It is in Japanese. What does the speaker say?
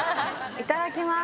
いただきます。